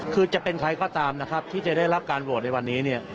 คือจะเป็นใครก็ตามนะครับที่จะได้รับการโหวตในวันนี้เนี่ย